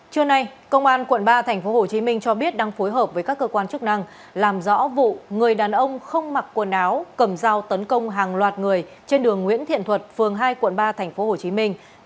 trưa nay công an quận ba tp hcm cho biết đang phối hợp với các cơ quan chức năng làm rõ vụ người đàn ông không mặc quần áo cầm dao tấn công hàng loạt người trên đường nguyễn thiện thuật phường hai quận ba tp hcm